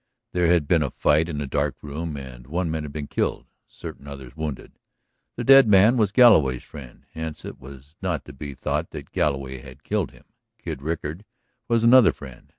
There had been a fight in a dark room and one man had been killed, certain others wounded. The dead man was Galloway's friend, hence it was not to be thought that Galloway had killed him. Kid Rickard was another friend.